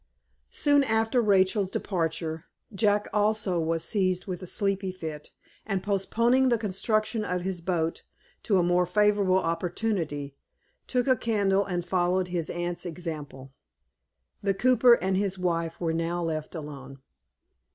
SOON after Rachel's departure Jack, also, was seized with a sleepy fit, and postponing the construction of his boat to a more favorable opportunity, took a candle and followed his aunt's example. The cooper and his wife were now left alone.